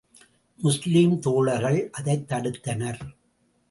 முஸ்லிம் தோழர்கள் அதைத் தடுத்தனர்.